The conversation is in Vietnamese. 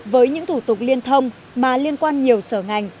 với những thủ tục liên thông mà liên quan nhiều sở ngành